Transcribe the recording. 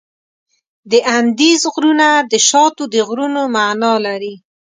د اندیز غرونه د شاتو د غرونو معنا لري.